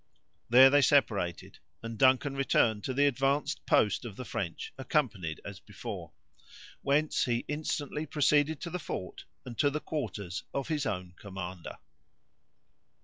There they separated, and Duncan returned to the advanced post of the French, accompanied as before; whence he instantly proceeded to the fort, and to the quarters of his own commander.